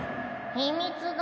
秘密だ